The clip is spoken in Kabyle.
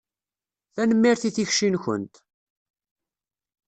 Tanemmirt i tikci-nkent.